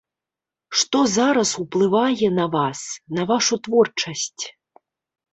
Што зараз ўплывае на вас, на вашу творчасць?